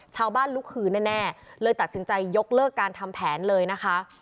ลุกคืนแน่เลยตัดสินใจยกเลิกการทำแผนเลยนะคะ